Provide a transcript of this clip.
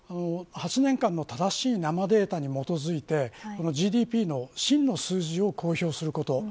８年間の正しい生データに基づいてＧＤＰの真の数字を公表すること。